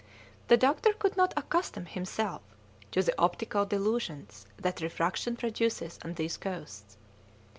The doctor could not accustom himself to the optical delusions that refraction produces on these coasts.